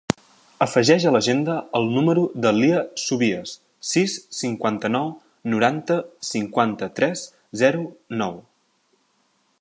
Afegeix a l'agenda el número de la Lia Subias: sis, cinquanta-nou, noranta, cinquanta-tres, zero, nou.